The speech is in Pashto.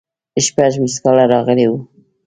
شپږ ميسکاله راغلي وو.